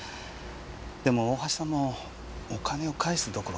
でも大橋さんもお金を返すどころではなくて。